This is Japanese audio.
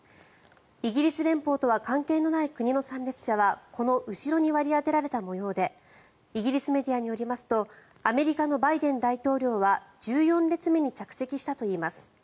イギリス連邦とは関係のない国の参列者はこの後ろに割り当てられた模様でイギリスメディアによりますとアメリカのバイデン大統領は１４列目に着席したといいます。